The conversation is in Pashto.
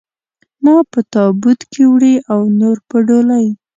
ما په تابوت کې وړي او نور په ډولۍ.